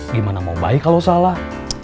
gimana mau baik kalau salah